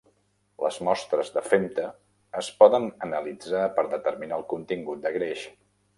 Les mostres de femta es poden analitzar per determinar el contingut de greix.